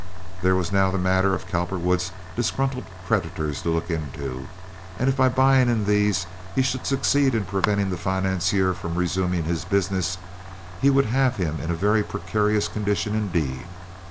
There was now the matter of Cowperwood's disgruntled creditors to look into; and if by buying in these he should succeed in preventing the financier from resuming business, he would have him in a very precarious condition indeed.